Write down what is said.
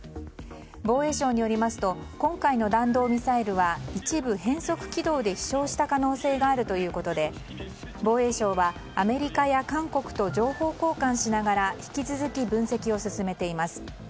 防衛省によりますと今回の弾道ミサイルは一部変則軌道で飛翔した可能性があるということで防衛省はアメリカや韓国と情報交換しながら引き続き分析を進めています。